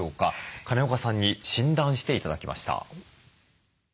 金岡さんに診断して頂きました。